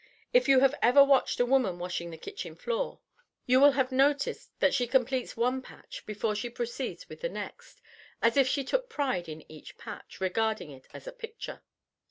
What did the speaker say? If you have ever watched a woman washing the kitchen floor, you will have noticed that she completes one patch before she proceeds with the next, as if she took pride in each patch, regarding it as a picture.